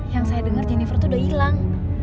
yang saya dengar jennifer itu udah hilang